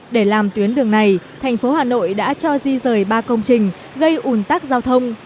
để làm tuyến đường này thành phố hà nội đã cho di rời ba công trình gây ủn tắc giao thông